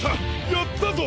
やったぞ！